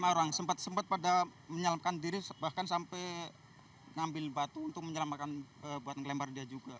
lima orang sempat sempat pada menyelamatkan diri bahkan sampai ngambil batu untuk menyelamatkan buat ngelempar dia juga